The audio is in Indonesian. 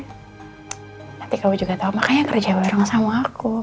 nanti kamu juga tahu makanya kerja bareng sama aku